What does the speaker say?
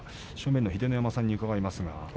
秀ノ山さんに伺います。